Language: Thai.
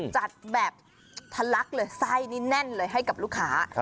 จัดแบบทะลักเลยไส้นี่แน่นเลยให้กับลูกค้า